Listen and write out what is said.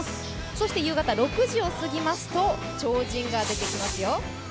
そして夕方６時を過ぎますと超人が出てきますよ。